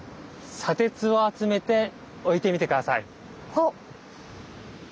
はっ。